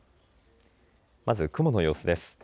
まず雲の様子です。